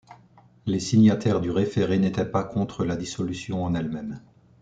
Les signataires du référé n'étaient pas contre la dissolution en elle-même.